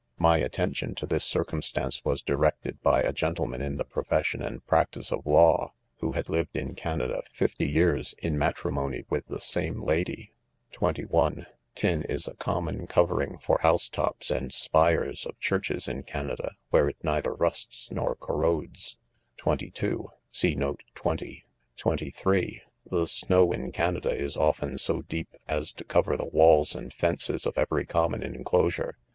My at tention to this circumstance, was directed by a gentle manfn, the profession and practice of law, who had lived in Canada fifty years in matrimony with the same lady. , (21) Tin is a common covering for house tops and spires of churches in Canada,, where it neither rusts nor corrodes* (22) See note 20. (23) The snow in Canada is often s© deep, as to cover the walls\ and fences of every common inelosure.